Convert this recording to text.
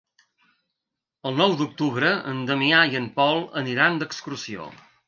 El nou d'octubre en Damià i en Pol aniran d'excursió.